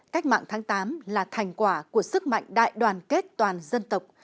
cách mạng tháng tám là thành quả của sức mạnh đại đoàn kết toàn dân tộc